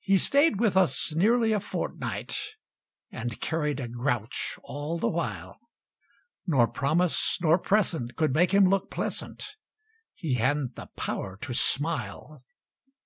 He stayed with us nearly a fortnight And carried a grouch all the while, Nor promise nor present could make him look pleasant; He hadn't the power to smile.